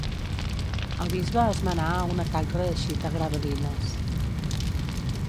El bisbe els menà a un atac reeixit a Gravelines.